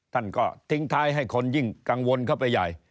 ท่านก็ทิ้งท้ายให้คนยิ่งกังวลเข้าไปใหญ่